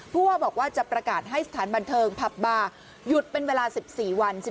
ผู้ว่าบอกว่าจะประกาศให้สถานบันเทิงผับบาร์หยุดเป็นเวลา๑๔วัน